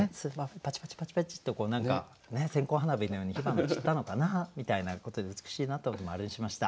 パチパチパチパチッとこう何か線香花火のように火花散ったのかなみたいなことで美しいなと思って○にしました。